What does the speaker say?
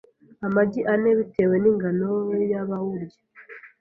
Amagi ane bitewe ningano yabawurya